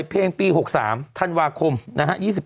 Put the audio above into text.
ว่าเต๋อง้อยจินตะหลาภูราปะทะลุงพลเนี่ย